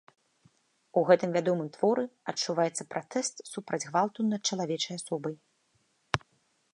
У гэтым вядомым творы адчуваецца пратэст супраць гвалту над чалавечай асобай.